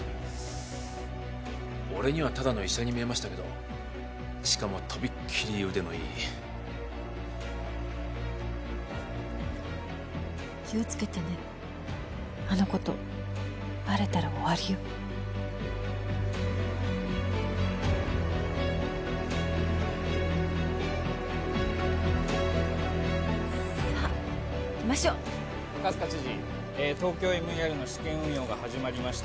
俺にはただの医者に見えましたけどしかもとびっきり腕のいい気をつけてねあのことバレたら終わりよさあ行きましょう赤塚知事ＴＯＫＹＯＭＥＲの試験運用が始まりました